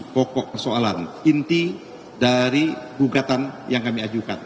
pokok persoalan inti dari gugatan yang kami ajukan